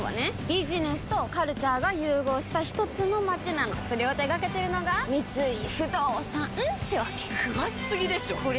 ビジネスとカルチャーが融合したひとつの街なのそれを手掛けてるのが三井不動産ってわけ詳しすぎでしょこりゃ